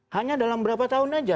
hanya dalam berapa tahun saja